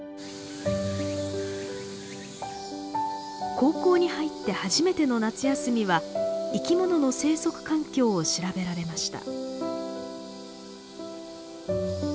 高校に入って初めての夏休みは生き物の生息環境を調べられました。